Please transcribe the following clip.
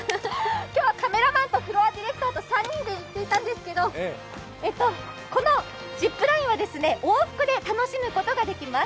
今日はカメラマンとフロアディレクターと３人で来たんですけど、このジップラインは往復で楽しむことができます。